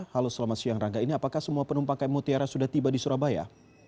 halo selamat siang rangga ini apakah semua penumpang km mutiara sudah tiba di surabaya